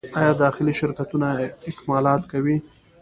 آیا داخلي شرکتونه اکمالات کوي؟